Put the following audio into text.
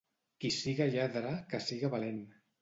Qui siga lladre, que siga valent.